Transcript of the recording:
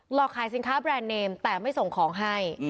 อกขายสินค้าแบรนด์เนมแต่ไม่ส่งของให้